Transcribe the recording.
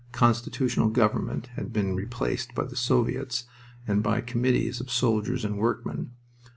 Constitutional government had been replaced by the soviets and by committees of soldiers and workmen.